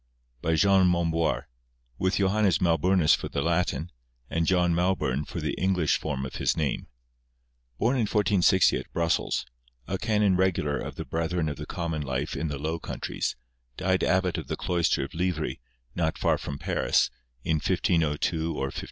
By Jean Momboir, with Johannes Mauburnus for the Latin, and John Mauburn for the English form of his name. Born in 1460 at Brussels; a Canon Regular of the Brethren of the Common Life in the Low Countries; died Abbot of the Cloister of Livry, not far from Paris, in 1502 or 1503.